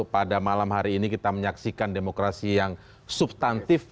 pada malam hari ini kita menyaksikan demokrasi yang substantif